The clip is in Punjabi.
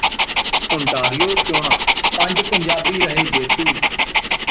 ਓਨਟਾਰੀਓ ਚੋਣਾਂ ਪੰਜ ਪੰਜਾਬੀ ਰਹੇ ਜੇਤੂ